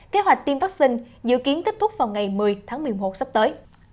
kế hoạch tiêm vaccine dự kiến kết thúc vào ngày một mươi tháng một mươi một sắp tới